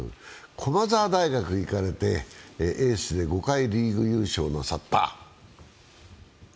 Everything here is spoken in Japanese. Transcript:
駒澤大学に行かれてエースで５回、リーグ優勝をなさった。